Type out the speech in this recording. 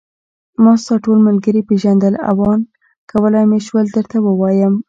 ما ستا ټول ملګري پېژندل او آن کولای مې شول درته ووایم.